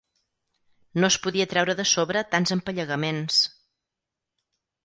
No es podia treure de sobre tants empallegaments.